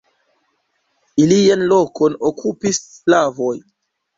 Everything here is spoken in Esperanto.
Ilian lokon okupis slavoj.